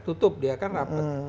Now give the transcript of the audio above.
tutup dia kan rapet